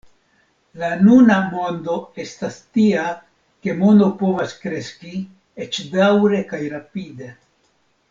La nuna mondo estas tia ke mono povas kreski, eĉ daŭre kaj rapide.